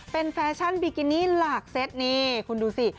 เป็นแฟชั่นบิกินี่หลากเซตนี่คุณดูสิ